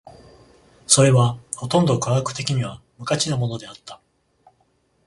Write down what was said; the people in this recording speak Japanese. それはほとんど科学的には無価値なものであった。